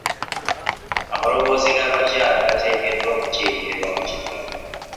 Amaloboozi g'abakyala gateekeddwa okukiikirirwa mu kitundu .